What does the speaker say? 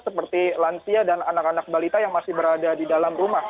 seperti lansia dan anak anak balita yang masih berada di dalam rumah